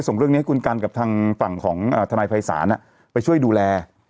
ส่งเรื่องนี้ให้คุณกันกับทางฝั่งของทนายภัยศาลไปช่วยดูแล